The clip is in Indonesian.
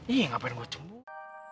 iya ngapain gue cemburu